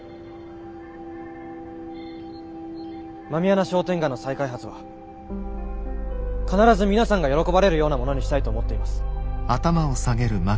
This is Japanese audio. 狸穴商店街の再開発は必ず皆さんが喜ばれるようなものにしたいと思っています。